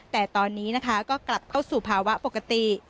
แต่ตอนนี้นะคะก็กลับเข้าสู่ภาวะปกติ